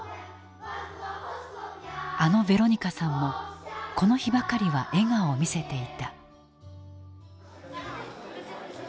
あのヴェロニカさんもこの日ばかりは笑顔を見せていた。